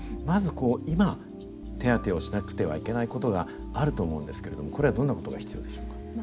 まずこう今手当てをしなくてはいけないことがあると思うんですけれどもこれはどんなことが必要でしょうか。